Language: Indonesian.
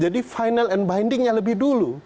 jadi final and bindingnya lebih dulu